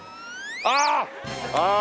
ああ！